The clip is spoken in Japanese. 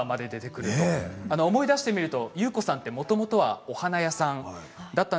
思い出してみると優子さんはもともとはお花屋さんでした。